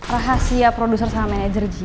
rahasia produser sama manager ji